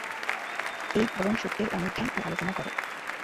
এই পরম সত্যের অনুধ্যান ও আলোচনা কর।